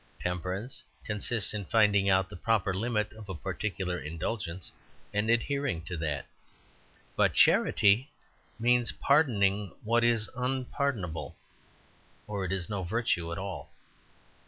Temperance consists in finding out the proper limit of a particular indulgence and adhering to that. But charity means pardoning what is unpardonable, or it is no virtue at all.